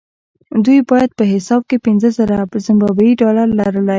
دوی باید په حساب کې پنځه زره زیمبابويي ډالر لرلای.